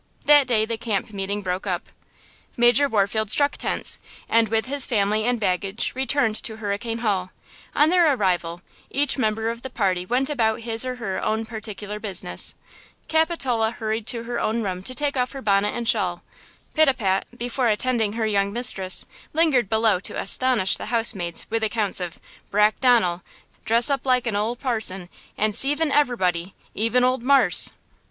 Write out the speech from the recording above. That day the camp meeting broke up. Major Warfield struck tents and with his family and baggage returned to Hurricane Hall. On their arrival, each member of the party went about his or her own particular business. Capitola hurried to her own room to take off her bonnet and shawl. Pitapat, before attending her young mistress, lingered below to astonish the housemaids with accounts of "Brack Donel, dress up like an ole parson, an' 'ceiving everybody, even ole Marse!"